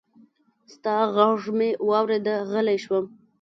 ستا غږ مې واورېد، غلی شوم